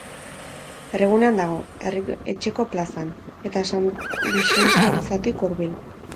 Herrigunean dago, Herriko Etxeko plazan, eta San Bixintxo elizatik hurbil.